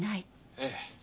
ええ。